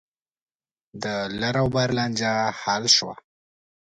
د لر او بر لانجه حل شوه.